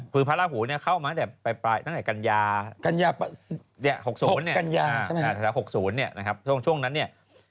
คือพระอาหู้เนี่ยเข้ามามาตั้งแต่กันยา๖๐เฉพาะอาตรา๖๐